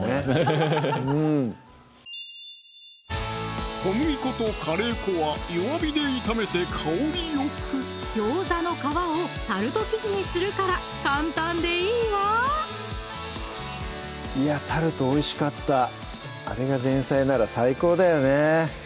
フフフ小麦粉とカレー粉は弱火で炒めて香りよくギョウザの皮をタルト生地にするから簡単でいいわいやタルトおいしかったあれが前菜なら最高だよね